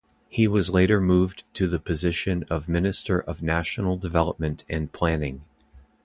He was later moved to the position of Minister of National Development and Planning.